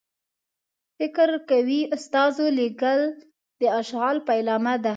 فکر کوي استازو لېږل د اشغال پیلامه ده.